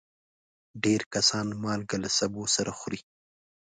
ډېر کسان مالګه له سبو سره خوري.